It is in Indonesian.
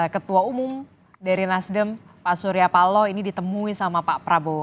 ketua umum dari nasdem pak surya paloh ini ditemui sama pak prabowo